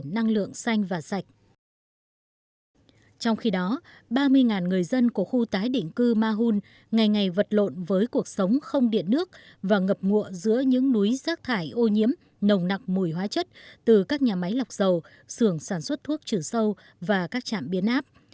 trong khi đó ba mươi người dân của khu tái định cư mahun ngày ngày vật lộn với cuộc sống không điện nước và ngập ngụa giữa những núi rác thải ô nhiễm nồng nặc mùi hóa chất từ các nhà máy lọc dầu xưởng sản xuất thuốc trừ sâu và các trạm biến áp